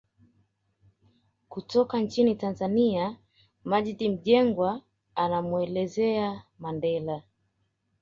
Kutoka nchini Tanzania Maggid Mjengwa anamuelezea Mandela